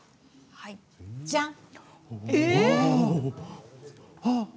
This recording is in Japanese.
じゃーん！